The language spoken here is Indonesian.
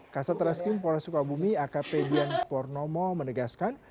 kasa teraskin polres sukabumi akp dian pornomo menegaskan